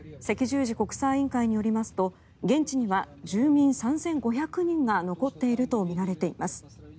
赤十字国際委員会によりますと現地には住民３５００人が残っているとみられています。